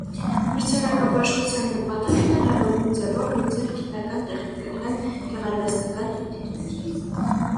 Մրցանակաբաշխության նպատակն է լավագույն ձևով լուծել գիտական, տեխնիկական, գեղարվեստական խնդիրներ։